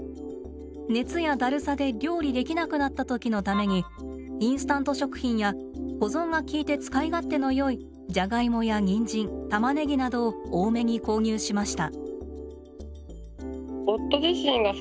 熱やだるさで料理できなくなった時のためにインスタント食品や保存がきいて使い勝手のよいジャガイモやニンジンタマネギなどを多めに購入しました。